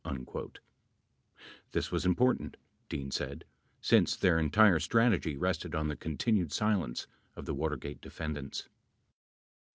10 This was important, Dean said, since their entire strategy rested on the continued silence of the Watergate defendants.